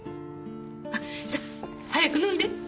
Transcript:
あっさあ早く飲んで。